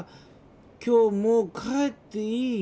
今日もう帰っていい？